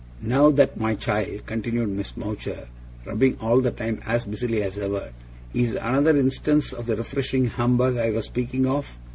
Now that, my child,' continued Miss Mowcher, rubbing all the time as busily as ever, 'is another instance of the refreshing humbug I was speaking of.